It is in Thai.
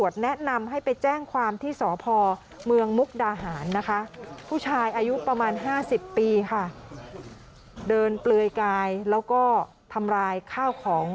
เปลือยกายแล้วก็ทำร้ายข้าวของ